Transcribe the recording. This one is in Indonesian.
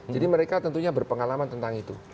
mereka tentunya berpengalaman tentang itu